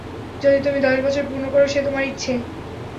যদি তুমি দশ বছর পূর্ণ কর, সে তোমার ইচ্ছে।